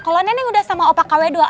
kalau neneng udah sama opa kawedua